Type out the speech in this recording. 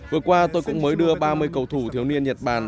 vừa qua tôi cũng mới đưa ba mươi cầu thủ thiếu niên nhật bản